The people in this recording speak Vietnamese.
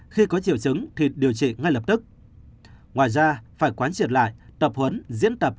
khi có triệu chứng thì điều trị ngay lập tức ngoài ra phải quán triệt lại tập huấn diễn tập